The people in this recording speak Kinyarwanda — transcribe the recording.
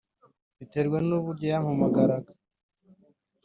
Bitewe n’uburyo yampamagara